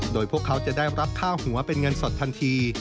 โดยพวกเขาจะได้รับค่าหัวเป็นเงินสดทันที